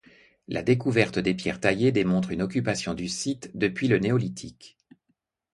La découverte de pierres taillées démontre une occupation du site depuis le néolithique.